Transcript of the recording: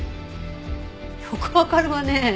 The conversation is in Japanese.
よくわかるわね！